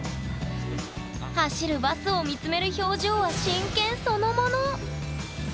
走るバスを見つめる表情は真剣そのもの